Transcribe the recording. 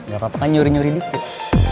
gak apa apa kan nyuri nyuri dikit